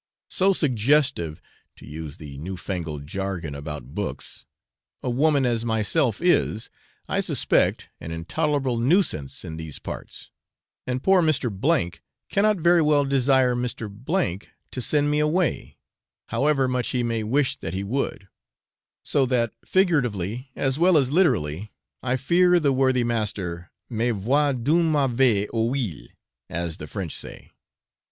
So suggestive (to use the new fangled jargon about books) a woman as myself is, I suspect, an intolerable nuisance in these parts; and poor Mr. O cannot very well desire Mr. to send me away, however much he may wish that he would; so that figuratively, as well as literally, I fear the worthy master me voit d'un mauvais oeil, as the French say.